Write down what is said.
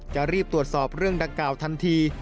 จะรีบตรวจสอบเรื่องดังกล่าวทันที